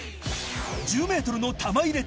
１０ｍの玉入れとは？